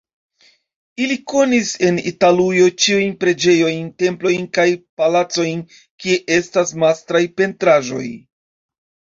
Ili konis en Italujo ĉiujn preĝejojn, templojn kaj palacojn, kie estas majstraj pentraĵoj.